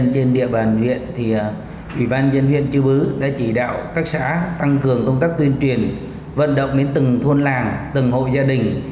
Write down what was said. trên địa bàn huyện thì ủy ban dân huyện chư bứ đã chỉ đạo các xã tăng cường công tác tuyên truyền vận động đến từng thôn làng từng hộ gia đình